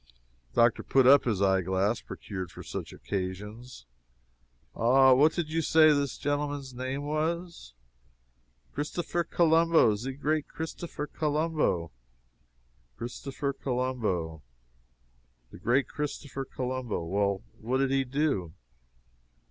The doctor put up his eye glass procured for such occasions: "Ah what did you say this gentleman's name was?" "Christopher Colombo! ze great Christopher Colombo!" "Christopher Colombo the great Christopher Colombo. Well, what did he do?"